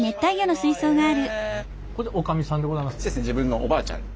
自分のおばあちゃんに。